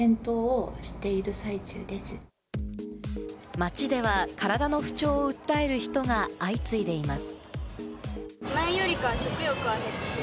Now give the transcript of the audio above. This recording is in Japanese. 街では体の不調を訴える人が相次いでいます。